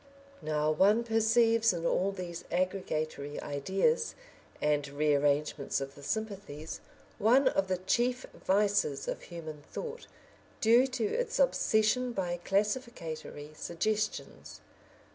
Now one perceives in all these aggregatory ideas and rearrangements of the sympathies one of the chief vices of human thought, due to its obsession by classificatory suggestions.